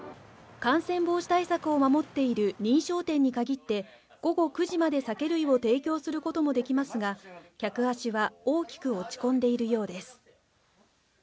感染防止対策を守っている認証店にかぎって、午後９時まで酒類を提供することもできますが、客足は大きく落ち込んでいるようです。